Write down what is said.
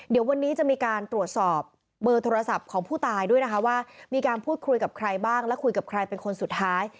เดี๋ยววันนี้จะมีการตรวจสอบเบอร์โทรศัพท์ของผู้ตายด้วยนะคะว่ามีการพูดคุยกับใครบ้างและคุยกับใครเป็นคนสุดท้าย